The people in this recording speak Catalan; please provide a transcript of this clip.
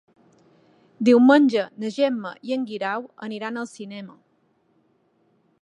Diumenge na Gemma i en Guerau aniran al cinema.